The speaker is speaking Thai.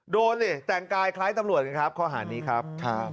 โดนแต่งกายคล้ายตำรวจครับข้อหารนี้ครับ